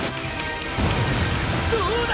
どうだ！